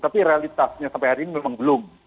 tapi realitasnya sampai hari ini memang belum